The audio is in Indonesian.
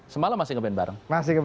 semalam masih band bareng